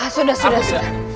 sudah sudah sudah